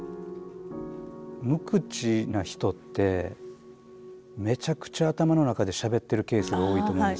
無口な人ってめちゃくちゃ頭の中でしゃべってるケースが多いと思うんですよ。